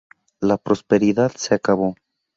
La prosperidad se acabó.